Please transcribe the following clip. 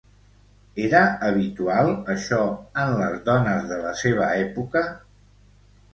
Era habitual, això, en les dones de la seva època?